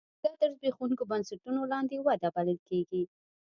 دا تر زبېښونکو بنسټونو لاندې وده بلل کېږي.